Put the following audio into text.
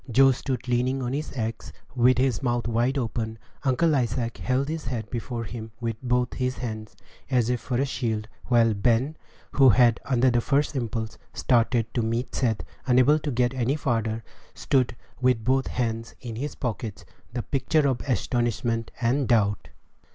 Joe stood leaning on his axe, with his mouth wide open; Uncle Isaac held his hat before him with both hands, as if for a shield; while Ben, who had, under the first impulse, started forward to meet Seth, unable to get any farther, stood with both hands in his pockets, the picture of astonishment and doubt.